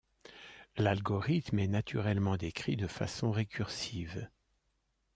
L'algorithme est naturellement décrit de façon récursive.